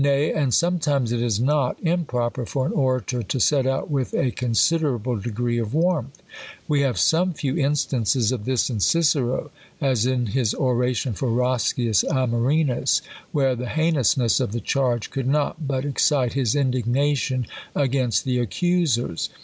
Nay, and sometimes it is not im proper for an orator to set out with a considerable deforce of warmth. We have some few instances of this in Cicero ; as in his oration for Roscius Amerinus> where the heinousness of the charge could not but ex cite his indignation against the accusers.